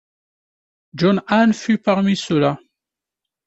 John Hane fut parmi ceux-là.